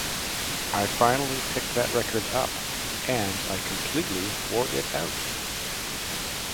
I finally picked that record up, and I completely wore it out.